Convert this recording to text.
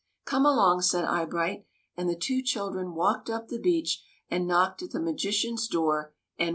" Come along," said Eyebright ; and the two children walked up the beach and knocked at the magician's door and went in.